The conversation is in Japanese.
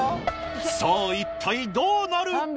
さぁ一体どうなる？